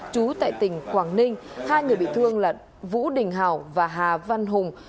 chú tại tỉnh quảng ninh hai người bị thương là vũ đình hảo và hà văn hùng